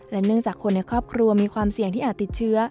เนื่องจากคนในครอบครัวมีความเสี่ยงที่อาจติดเชื้อ